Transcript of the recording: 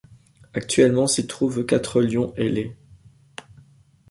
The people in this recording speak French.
Actuellement s'y trouvent quatre lions ailés.